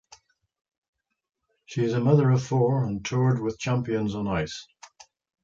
She is a mother of four and toured with Champions on Ice.